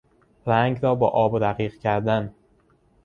رنگ را با آب رقیق کردن